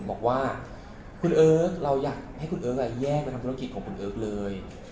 บอกว่าคุณเอิ๊กเราอยากให้คุณเอิร์กแยกไปทำธุรกิจของคุณเอิ๊กเลย